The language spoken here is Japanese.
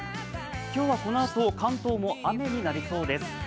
今日はこのあと、関東も雨になりそうです。